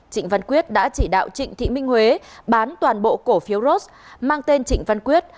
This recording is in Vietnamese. trịnh văn quyết đã chỉ đạo trịnh thị minh huế bán toàn bộ cổ phiếu ros mang tên trịnh văn quyết